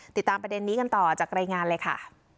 ติดตามประเด็นนี้กันต่อจากรายงานเลยค่ะ